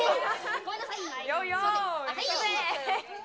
ごめんなさい。